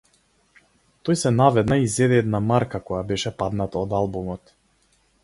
Тој се наведна и зеде една марка која беше падната од албумот.